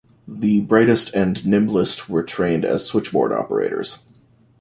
The brightest and nimblest were trained as switchboard operators.